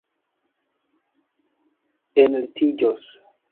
enlitiĝos